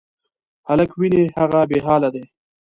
هلک وینې، هغه بېحاله دی.